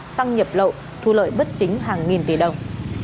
xăng nhập lậu thu lợi bất chính hàng nghìn tỷ đồng